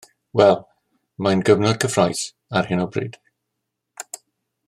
Wel, mae'n gyfnod cyffrous ar hyn o bryd